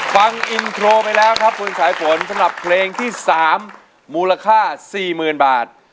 ฟังอินโทรไปแล้วครับคุณสายฝนสำหรับเพลงที่๓มูลค่า๔๐๐๐บาท